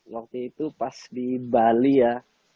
waktu itu pas di bali ya